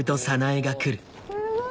すごい。